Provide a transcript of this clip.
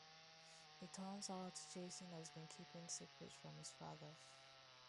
It turns out Jason has been keeping secrets from his father.